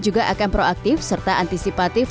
juga akan proaktif serta antisipatif